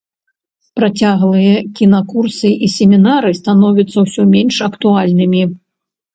Працяглыя кінакурсы і семінары становяцца ўсё менш актуальнымі.